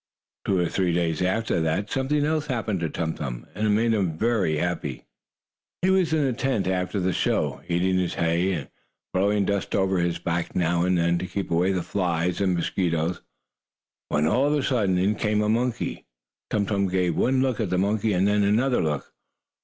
Two or three days after that something else happened to Tum Tum, and it made him very happy. He was in the tent, after the show, eating his hay, and blowing dust over his back now and then to keep away the flies and mosquitoes, when, all of a sudden, in came a monkey. Tum Tum gave one look at the monkey, and then another look.